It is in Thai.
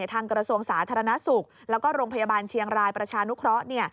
กระทรวงสาธารณสุขแล้วก็โรงพยาบาลเชียงรายประชานุเคราะห์